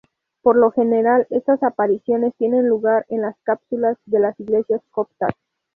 Por lo general, estas apariciones tienen lugar en las cúpulas de las iglesias coptas.